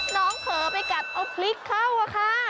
เผลอไปกัดเอาพริกเข้าอะค่ะ